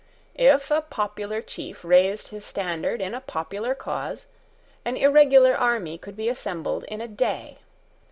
If a popular chief raised his standard in a popular cause, an irregular army could be assembled in a day.